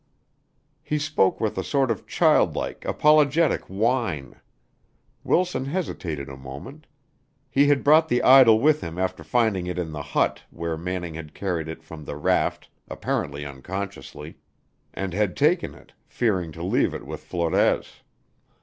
He spoke with a sort of childlike, apologetic whine. Wilson hesitated a moment. He had brought the idol with him after finding it in the hut where Manning had carried it from the raft apparently unconsciously and had taken it, fearing to leave it with Flores.